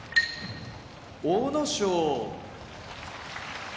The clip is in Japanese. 阿武咲